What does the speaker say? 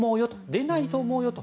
出ないと思うよと。